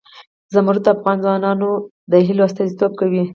زمرد د افغان ځوانانو د هیلو استازیتوب کوي.